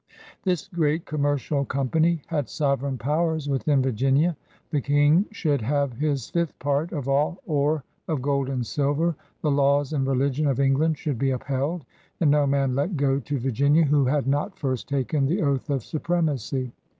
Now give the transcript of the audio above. This great commercial company had sovereign powers within Virginia. The King should have his fifth part of all ore of gold and silver; the laws and religion of England should be upheld, and no man let go to Virginia who had not first taken the oath of supremacy.